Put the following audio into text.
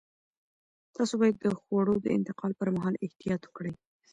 تاسو باید د خوړو د انتقال پر مهال احتیاط وکړئ.